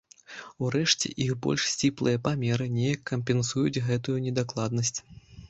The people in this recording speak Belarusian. Урэшце іх больш сціплыя памеры неяк кампенсуюць гэтую недакладнасць.